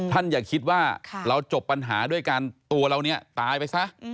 อย่าคิดว่าเราจบปัญหาด้วยการตัวเราเนี่ยตายไปซะ